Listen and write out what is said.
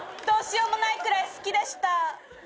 どうしようもないくらい好きでした。